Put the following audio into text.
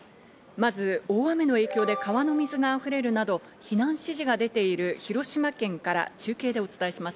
まず大雨の影響で川の水が溢れるなど避難指示が出ている広島県から中継でお伝えします。